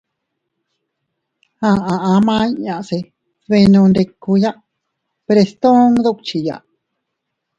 Aʼa ama inña se dbenondikuya Frestón sdukchiya.